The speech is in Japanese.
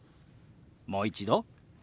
もう一度。